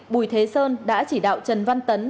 bùi thế sơn đã chỉ đạo trần văn tấn